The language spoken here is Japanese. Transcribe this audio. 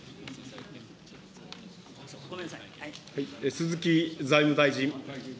鈴木財務大臣。